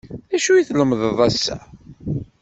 D acu i lemden ass-a?